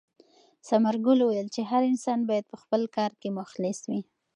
ثمرګل وویل چې هر انسان باید په خپل کار کې مخلص وي.